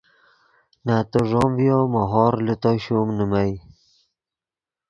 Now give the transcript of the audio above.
نتو ݱوم ڤیو مو ہورغ لے تو شوم نیمئے